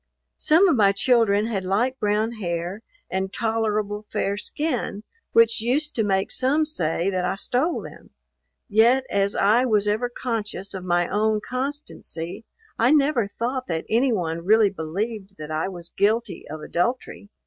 Some of my children had light brown hair, and tolerable fair skin, which used to make some say that I stole them; yet as I was ever conscious of my own constancy, I never thought that any one really believed that I was guilty of adultery.